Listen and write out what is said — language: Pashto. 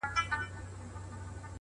راوړم سکروټې تر دې لویي بنگلي پوري؛